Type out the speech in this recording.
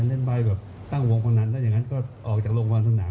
เล่นใบแบบตั้งวงพนันแล้วอย่างนั้นก็ออกจากโรงพยาบาลสนาม